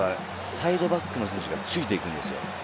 サイドバックの選手がついていくんですよ。